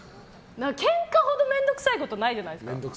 ケンカほど面倒くさいことないじゃないですか。